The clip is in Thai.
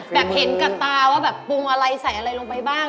แบบเห็นกับตาว่าแบบปรุงอะไรใส่อะไรลงไปบ้าง